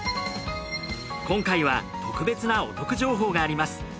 今回は特別なお得情報があります。